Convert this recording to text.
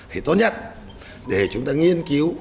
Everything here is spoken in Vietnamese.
thì tốt nhất để chúng ta nghiên cứu